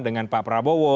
dengan pak prabowo